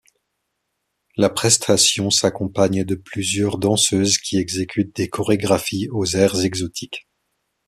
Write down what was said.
La prestation s'accompagne de plusieurs danseuses qui exécutent des chorégraphies aux airs exotiques.